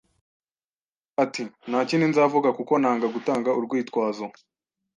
Yavuze ati: "Nta kindi nzavuga, kuko nanga gutanga urwitwazo."